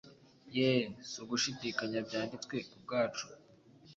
Yee, si ugushidikanya byanditswe ku bwacu,